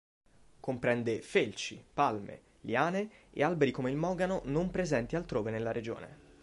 Comprende felci, palme, liane e alberi come il mogano non presenti altrove nella regione.